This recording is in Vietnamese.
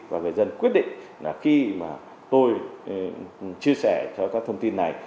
và người dân quyết định là khi mà tôi chia sẻ cho các thông tin này